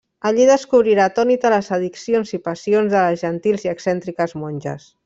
Allí descobrirà atònita les addiccions i passions de les gentils i excèntriques monges.